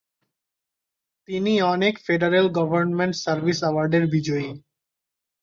তিনি অনেক federal government service অ্যাওয়ার্ডের বিজয়ী।